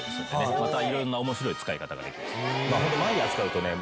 また色んな面白い使い方ができます。